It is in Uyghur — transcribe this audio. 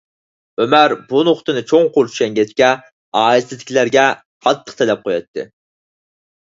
ئۆمەر بۇ نۇقتىنى چوڭقۇر چۈشەنگەچكە، ئائىلىسىدىكىلەرگە قاتتىق تەلەپ قوياتتى.